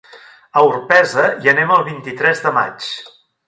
A Orpesa hi anem el vint-i-tres de maig.